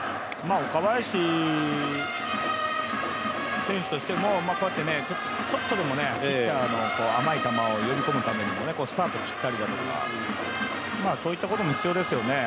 岡林選手としてもこうやってちょっとでもピッチャーの甘い球を呼び込むためにもスタートを切ったりだとかそういったことも必要ですよね。